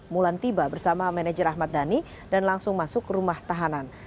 mulan tiba bersama manajer ahmad dhani dan langsung masuk ke rumah tahanan